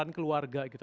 ada peran keluarga gitu